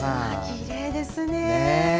きれいですね。